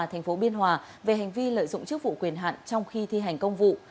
tp biên hòa về hành vi lợi dụng chức vụ quyền hạn trong khi thi hành công vụ